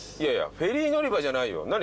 フェリーのり場じゃないよ何？